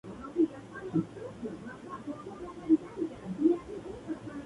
Su padre poseía una carnicería.